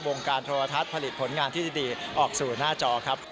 การโทรทัศน์ผลิตผลงานที่ดีออกสู่หน้าจอครับ